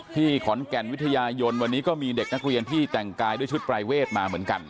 ที่ขอนแก่นวิทยายนวันนี้ก็มีเด็กนักเรียนที่แต่งกายด้วยชุดปรายเวทมาเหมือนกัน